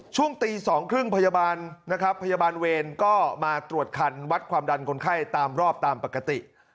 ช่วงตี๒๓๐พยาบาลเวรก็มาตรวจคันวัดความดันคนไข้ตามรอบตามปกติ